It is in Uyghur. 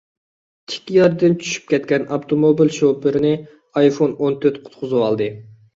تىك ياردىن چۈشۈپ كەتكەن ئاپتوموبىل شوپۇرىنى ئايفون ئون تۆت قۇتقۇزۋالدى.